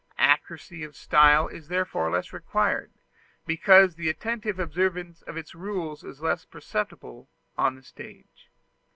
Accuracy of style is therefore less required, because the attentive observance of its rules is less perceptible on the stage.